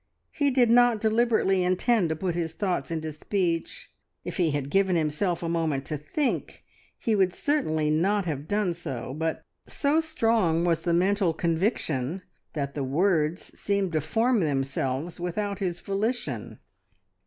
He did not deliberately intend to put his thoughts into speech; if he had given himself a moment to think he would certainly not have done so, but so strong was the mental conviction that the words seemed to form themselves without his volition.